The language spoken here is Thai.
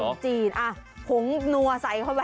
ใส่ขนมจรีนผงนัวใส่เข้าไป